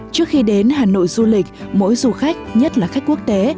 trước khi đến hà nội du lịch mỗi du khách nhất là khách quốc tế